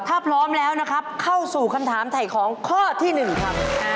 ถ้าพร้อมแล้วนะครับเข้าสู่คำถามถ่ายของข้อที่๑ครับ